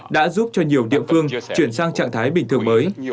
đã giúp cho nhiều địa phương chuyển sang trạng thái bình thường mới